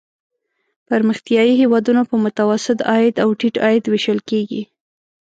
پرمختیايي هېوادونه په متوسط عاید او ټیټ عاید ویشل کیږي.